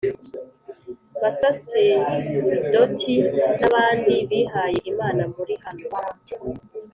basaserdoti n’abandi bihaye imana muri hano,